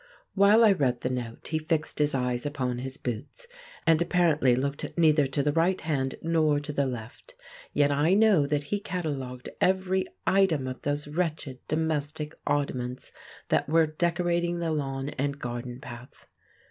While I read the note, he fixed his eyes upon his boots, and apparently looked neither to the right hand nor to the left; yet I know that he catalogued every item of those wretched domestic oddments that were decorating the lawn and garden path.